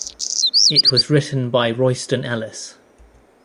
It was written by Royston Ellis.